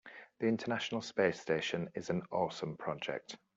The international space station is an awesome project.